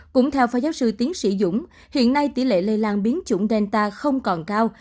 cũng theo phó giáo sư tiến sĩ dũng hiện nay tỷ lệ lây lan biến chủng delta không còn cao